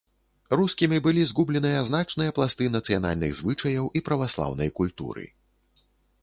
Рускімі былі згубленыя значныя пласты нацыянальных звычаяў і праваслаўнай культуры.